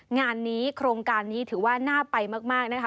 งานนี้โครงการนี้ถือว่าน่าไปมากนะคะ